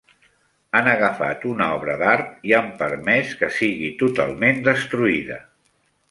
Han agafat una obra d'art i han permès que sigui totalment destruïda.